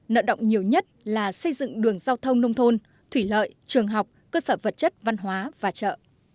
nợ động nhiều nhất là xây dựng đường giao thông nông thôn thủy lợi trường học cơ sở vật chất văn hóa và chợ